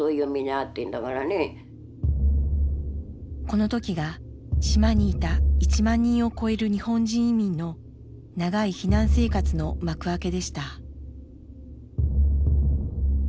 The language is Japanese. この時が島にいた１万人を超える日本人移民の長い避難生活の幕開けでした。